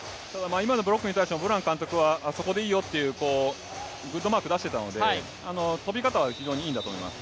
今のブロックに対しては、ブラン監督はそこでいいよというグッドマークを出していたので跳び方は非常にいいんだと思います。